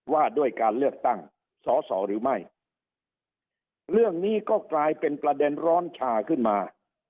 ว่าด้วยการเลือกตั้งสอสอหรือไม่เรื่องนี้ก็กลายเป็นประเด็นร้อนชาขึ้นมา